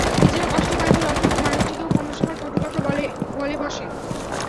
নিজেরা কষ্ট পায় বলে অসুস্থ মানুষটিকেও কোনো সময় কটু কথা বলে বসে।